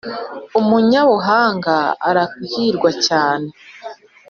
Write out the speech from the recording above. Umunyabuhanga arahirwa cyane